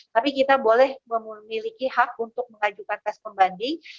tapi kita boleh memiliki hak untuk mengajukan tes pembanding